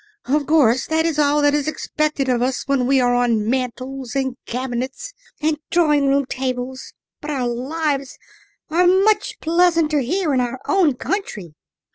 Of course that is all that is expected of us when we are on mantels and cabinets and drawing room tables, but our lives are much pleasanter here in our own country."